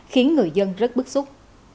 khiến người dân rất bức xúc